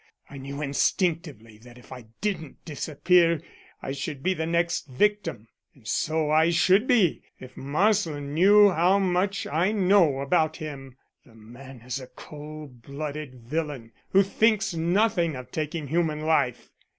I knew instinctively that if I didn't disappear I should be the next victim. And so I should be if Marsland knew how much I know about him. The man is a cold blooded villain, who thinks nothing of taking human life.